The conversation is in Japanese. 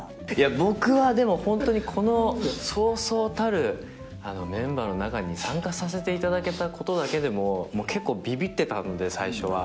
僕はでも本当にこのそうそうたるメンバーの中に参加させて頂けた事だけでも結構ビビってたので最初は。